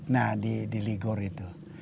nah di ligor itu